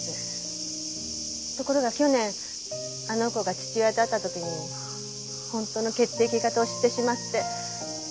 ところが去年あの子が父親と会った時に本当の血液型を知ってしまって。